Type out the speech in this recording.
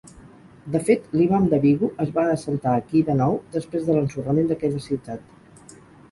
De fet, l'imam de Bighu es va assentar aquí de nou després de l'ensorrament d'aquella ciutat.